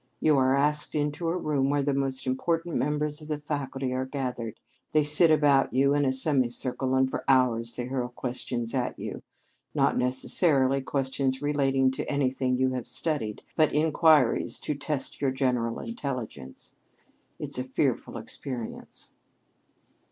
You are asked into a room where the most important members of the faculty are gathered. They sit about you in a semicircle and for hours they hurl questions at you, not necessarily questions relating to anything you have studied, but inquiries to test your general intelligence. It's a fearful experience."